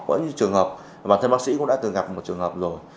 vẫn như trường hợp bản thân bác sĩ cũng đã từng gặp một trường hợp rồi